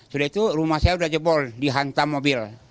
sudah itu rumah saya sudah jebol dihantam mobil